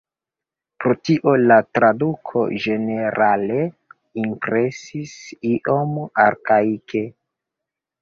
Pro tio la traduko ĝenerale impresis iom arkaike.